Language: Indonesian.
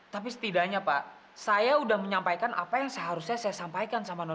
tapi setidaknya pak saya udah menyampaikan apa yang saya harus lakukan